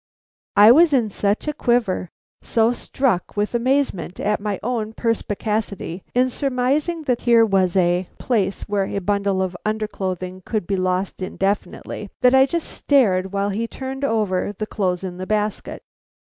I was in such a quiver; so struck with amazement at my own perspicacity in surmising that here was a place where a bundle of underclothing could be lost indefinitely, that I just stared while he turned over the clothes in the basket.